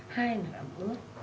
hai là ẩm ướt